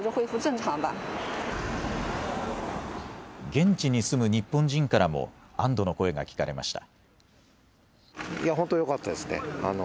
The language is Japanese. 現地に住む日本人からも安どの声が聞かれました。